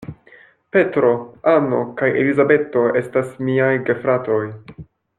Petro, Anno kaj Elizabeto estas miaj gefratoj.